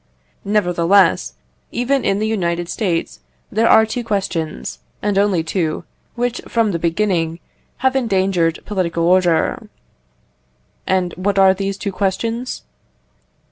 Nevertheless, even in the United States, there are two questions, and only two, which from the beginning have endangered political order. And what are these two questions?